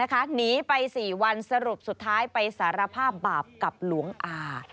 หนีไป๔วันสรุปสุดท้ายไปสารภาพบาปกับหลวงอา